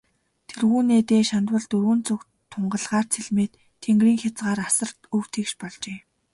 Тэргүүнээ дээш хандвал, дөрвөн зүг тунгалгаар цэлмээд, тэнгэрийн хязгаар асар өв тэгш болжээ.